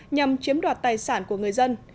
nhằm chiếm đoạt tài sản của người dân